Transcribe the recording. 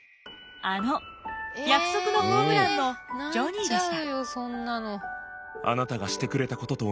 あの「約束のホームラン」のジョニーでした。